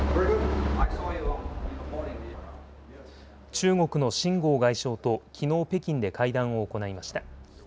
中国の秦剛外相ときのう北京で会談を行いました。